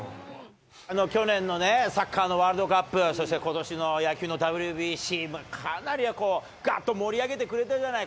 去年のね、サッカーのワールドカップ、そしてことしの野球のＷＢＣ、かなりがっと盛り上げてくれてるじゃない。